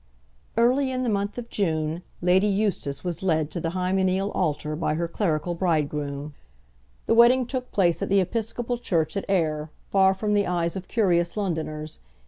Early in the month of June, Lady Eustace was led to the hymeneal altar by her clerical bridegroom. The wedding took place at the Episcopal church at Ayr, far from the eyes of curious Londoners.